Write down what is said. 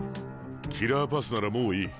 キラーパスならもういい。